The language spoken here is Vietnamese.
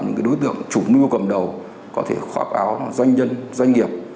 những đối tượng chủ mưu cầm đầu có thể khóa báo doanh nhân doanh nghiệp